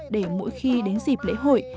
để mỗi khi đến dịp lễ hội